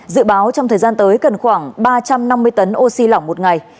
dự báo trong thời gian tới cần khoảng ba trăm năm mươi tấn oxy lỏng một ngày